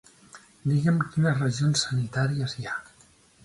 Digue'm quines regions sanitàries hi ha.